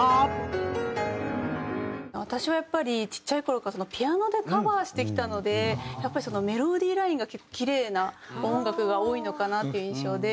私はやっぱりちっちゃい頃からピアノでカバーしてきたのでやっぱりメロディーラインがキレイな音楽が多いのかなっていう印象で。